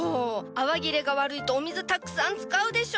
泡切れが悪いとお水たくさん使うでしょ！？